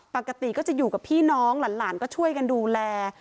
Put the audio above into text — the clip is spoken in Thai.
ปกติก็จะอยู่กับพี่น้องหลานก็ช่วยกันดูแล